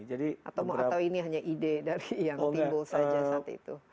atau ini hanya ide dari yang timbul saja saat itu